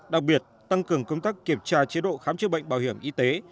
đặc biệt tăng cường công tác kiểm tra chế độ khám chữa bệnh bảo hiểm y tế